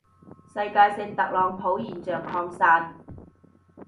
世界性特朗普現象擴散